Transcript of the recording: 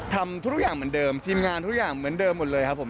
ทำทุกอย่างเหมือนเดิมทีมงานทุกอย่างเหมือนเดิมหมดเลยครับผม